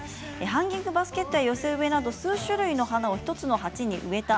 ハンギングバスケットや寄せ植えなど数種類の花を１つの鉢に植えた